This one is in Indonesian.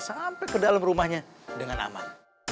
sampai ke dalam rumahnya dengan aman